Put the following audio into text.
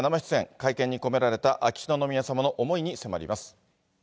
会見に込められた秋篠宮さまの思いに迫ります。